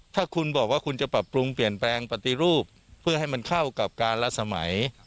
ถ้าคุณบอกว่าคุณจะปรับปรุงเปลี่ยนแปลงปฏิรูปเพื่อให้มันเข้ากับการละสมัย